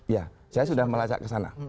ya saya sudah melacak ke sana